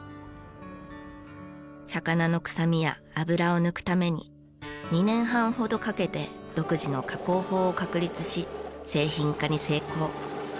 魚のくさみやあぶらを抜くために２年半ほどかけて独自の加工法を確立し製品化に成功。